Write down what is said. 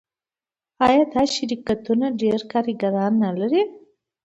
آیا دا شرکتونه ډیر کارګران نلري؟